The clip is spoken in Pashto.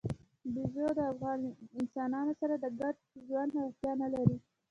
بیزو د انسانانو سره د ګډ ژوند وړتیا نه لري.